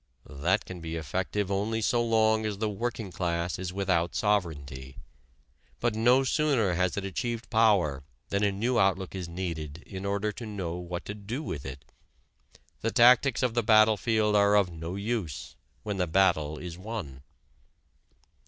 That can be effective only so long as the working class is without sovereignty. But no sooner has it achieved power than a new outlook is needed in order to know what to do with it. The tactics of the battlefield are of no use when the battle is won.